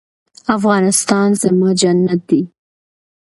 افغانستان زما جنت دی